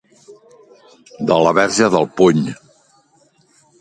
De la Verge del Puny.